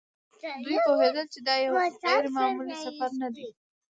دوی پوهېدل چې دا یو غیر معمولي سفر نه دی.